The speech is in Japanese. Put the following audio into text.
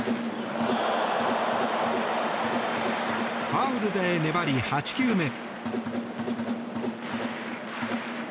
ファウルで粘り、８球目。